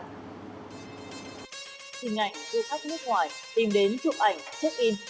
hình ảnh du khách nước ngoài tìm đến chụp ảnh check in